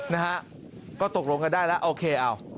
นะฮะก็ตกลงกันได้แล้วโอเคเอา